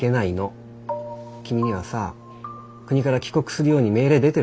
君にはさ国から帰国するように命令出てるでしょ？